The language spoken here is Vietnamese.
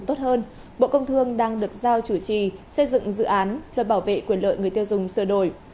tốt hơn bộ công thương đang được giao chủ trì xây dựng dự án luật bảo vệ quyền lợi người tiêu dùng sửa đổi